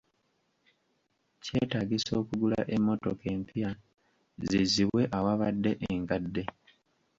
Kyetaagisa okugula emmotoka empya zizzibwe awabadde enkadde.